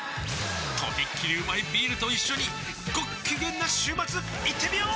とびっきりうまいビールと一緒にごっきげんな週末いってみよー！